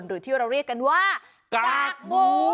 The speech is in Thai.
หรือที่เราเรียกกันว่ากากหมู